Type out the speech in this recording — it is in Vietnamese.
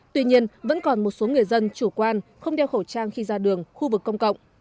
tuy nhiên vẫn còn một số người dân chủ quan không đeo khẩu trang khi ra đường khu vực công cộng